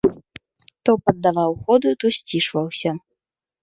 То паддаваў ходу, то сцішваўся.